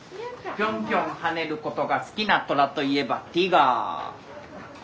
ぴょんぴょん跳ねることが好きなトラといえばティガー。